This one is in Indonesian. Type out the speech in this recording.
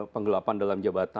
penggelapan dalam jabatan